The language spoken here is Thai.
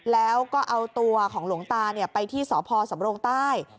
แล้วก็เอาตัวของหลวงตาไปที่สพสำรงใต้